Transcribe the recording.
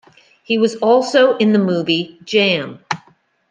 He was also in the movie "Jam".